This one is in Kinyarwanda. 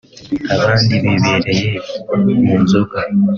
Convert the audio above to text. abandi bibereye mu nzoga